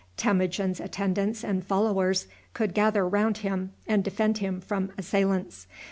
Temujin's attendants and followers could gather around him and defend him from assailants.